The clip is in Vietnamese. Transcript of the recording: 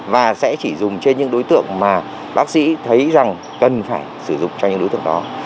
và sẽ chỉ dùng trên những đối tượng mà bác sĩ thấy rằng cần phải sử dụng cho những đối tượng đó